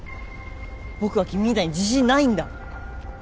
僕は君みたいに自信ないんだ